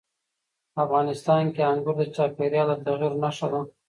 افغانستان کې انګور د چاپېریال د تغیر نښه ده.